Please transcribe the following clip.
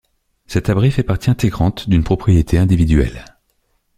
Cet abri fait partie intégrante d'une propriété individuelle.